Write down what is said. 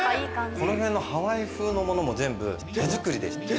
この辺のハワイ風のものも全部手作りでして。